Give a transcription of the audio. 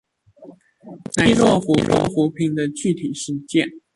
乃是濟弱扶貧的具體實踐